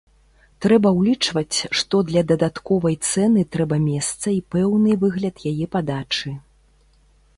Трэба ўлічваць, што для дадатковай цэны трэба месца і пэўны выгляд яе падачы.